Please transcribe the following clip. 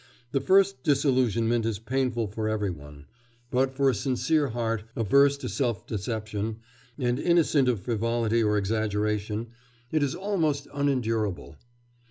The first disillusionment is painful for every one; but for a sincere heart, averse to self deception and innocent of frivolity or exaggeration, it is almost unendurable.